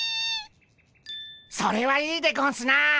それはいいでゴンスな！